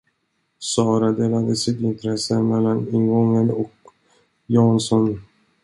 Sara delade sitt intresse mellan ingången och Jansson.